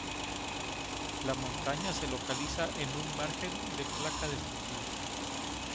La Montaña se localiza en un margen de placa destructivo.